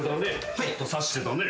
ちょっとさしてたね。